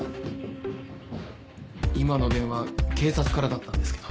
今の電話警察からだったんですけど。